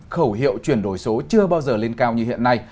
khẩu hiệu chuyển đổi số chưa bao giờ lên cao như hiện nay